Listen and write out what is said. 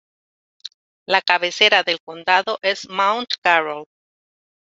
La cabecera del condado es Mount Carroll.